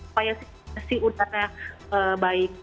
supaya sensi udaranya baik